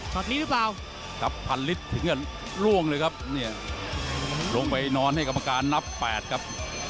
นี้หรือเปล่าครับพันลิตรถึงกับล่วงเลยครับเนี่ยลงไปนอนให้กรรมการนับแปดครับ